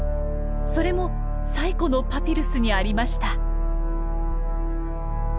それも最古のパピルスにありました。